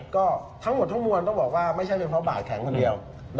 ก็ทั้งหมดทั้งมวลต้องบอกว่าไม่ใช่เป็นเพราะบาดแข็งคนเดียว